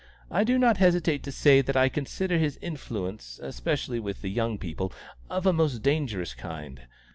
I do not hesitate to say that I consider his influence, especially with the young people, of a most dangerous kind.